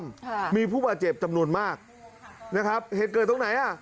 ค่ะมีผู้บาดเจ็บจำนวนมากนะครับเหตุเกิดตรงไหนอ่ะ